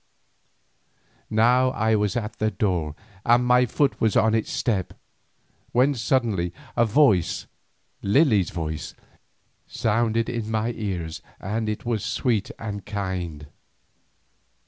Now I was at the door and my foot was on its step, when suddenly a voice, Lily's voice, sounded in my ears and it was sweet and kind.